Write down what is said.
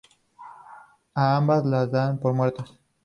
A ambas las dan por muertas.